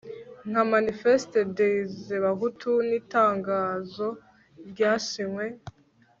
nka manifeste des bahutu n'itangazo ryasinywe